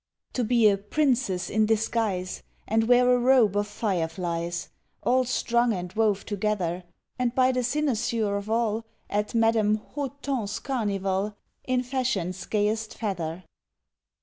To be a "princess in disguise," And wear a robe of fireflies All strung and wove together, And be the cynosure of all At Madame Haut ton's carnival, In fashion's gayest feather.